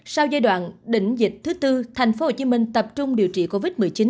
sau giai đoạn đỉnh dịch thứ tư thành phố hồ chí minh tập trung điều trị covid một mươi chín